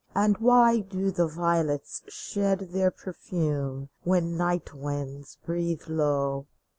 And why do the violets shed their perfume When night winds breathe low